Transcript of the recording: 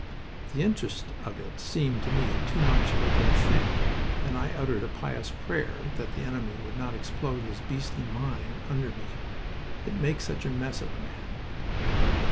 The interest of it seemed to me too much of a good thing, and I uttered a pious prayer that the enemy would not explode his beastly mine under me. It makes such a mess of a man.